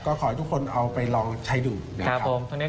ก็ขอให้ทุกคนเอาไปลองใช้ดูนะครับ